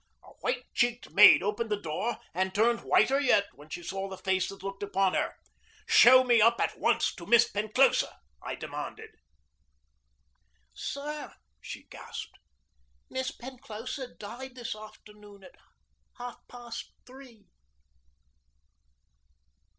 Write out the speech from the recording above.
A white cheeked maid opened the door, and turned whiter yet when she saw the face that looked in at her. "Show me up at once to Miss Penclosa," I demanded. "Sir," she gasped, "Miss Penclosa died this afternoon at half past three!"